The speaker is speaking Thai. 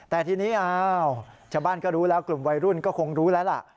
แต่ทีนี้อ้าวชาวบ้านก็รู้แล้วกลุ่มวัยรุ่นก็คงรู้แล้วล่ะ